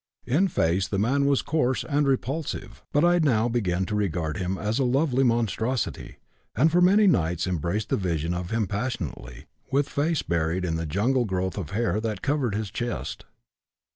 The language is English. In face the man was coarse and repulsive, but I now began to regard him as a lovely monstrosity, and for many nights embraced the vision of him passionately, with face buried in the jungle growth of hair that covered his chest.